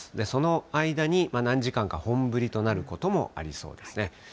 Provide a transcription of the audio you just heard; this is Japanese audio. その間に何時間か本降りとなることもありそうですね。